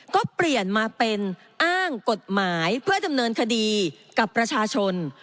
ก็เปลี่ยนมาเป็นอ้างกฎหมายเพื่อดำเนินคดีกับประชาชน